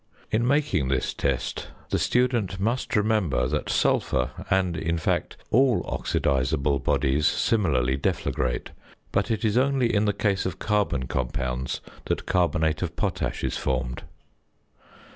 In making this test the student must remember that sulphur and, in fact, all oxidisable bodies similarly deflagrate, but it is only in the case of carbon compounds that carbonate of potash is formed.